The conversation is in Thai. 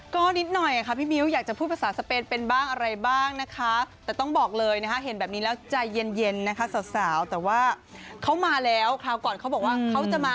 ก็จะเตะอาโมทั้งวันค่ะ